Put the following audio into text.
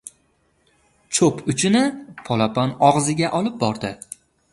Cho‘p uchini polapon og‘ziga olib bordi.